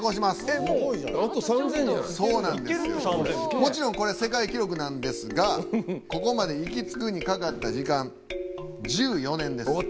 もちろんこれ世界記録なんですがここまで行き着くにかかった時間１４年です。